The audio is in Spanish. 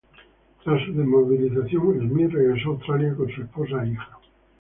Tras su desmovilización, Smith regresó a Australia con su esposa e hija.